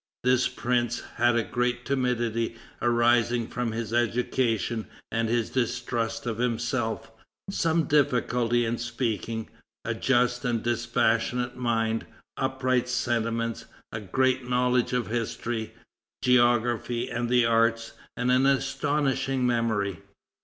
This prince had a great timidity arising from his education and his distrust of himself, some difficulty in speaking, a just and dispassionate mind, upright sentiments, great knowledge of history, geography, and the arts, and an astonishing memory."